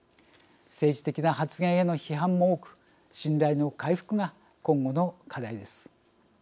政治的な発言への批判も多く信頼の回復が今後の課題です。